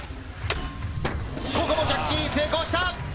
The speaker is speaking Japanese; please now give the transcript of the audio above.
ここも着地に成功した！